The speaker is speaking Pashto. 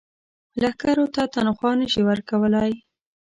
لښکرو ته تنخوا نه شي ورکولای.